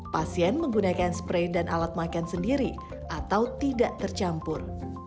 pasien menggunakan spray dan alat makan sendiri atau tidak tercampur